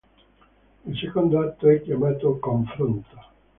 Il secondo atto è chiamato "confronto".